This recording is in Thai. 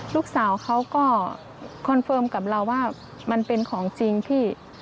ลูกสาวเขาก็คอนเฟิร์มกับเราว่ามันเป็นของจริงที่